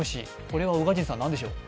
これは宇賀神さん何でしょう。